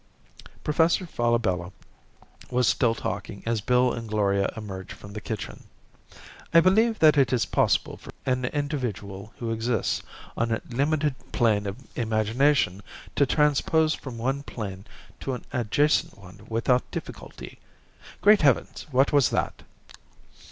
Professor Falabella was still talking as Bill and Gloria emerged from the kitchen. "I believe that it is possible for an individual who exists on a limited plane of imagination to transpose from one plane to an adjacent one without difficulty ... Great Heavens, what was that?"